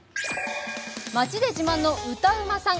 「町で自慢の歌うまさん」